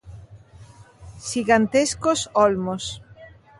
'Xigantescos olmos'.